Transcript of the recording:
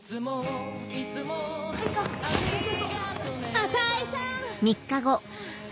・浅井さん！